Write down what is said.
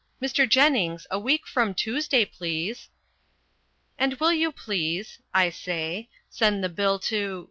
Mr. Jennings, a week from Tuesday, please." "And will you please," I say, "send the bill to